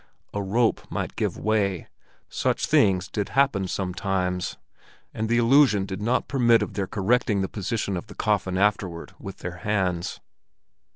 A rope might give way; such things did sometimes happen, and the illusion did not permit of their correcting the position of the coffin afterward with their hands.